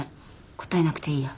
答えなくていいや。